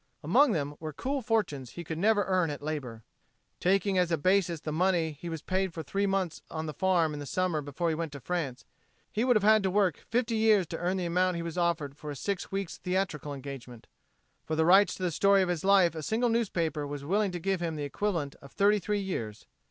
Among them were cool fortunes he could never earn at labor. Taking as a basis the money he was paid for three months on the farm in the summer before he went to France, he would have had to work fifty years to earn the amount he was offered for a six weeks' theatrical engagement. For the rights to the story of his life a single newspaper was willing to give him the equivalent of thirty three years.